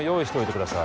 ください